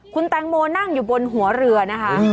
คุณแตงโมนั่งอยู่บนหัวเรือนะคะ